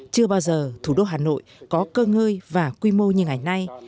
chưa bao giờ thủ đô hà nội có cơ ngơi và quy mô như ngày nay